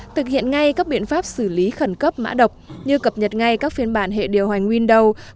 thực hiện ngay các biện pháp xử lý khẩn cấp mã độc như cập nhật ngay các phiên bản hệ điều hành window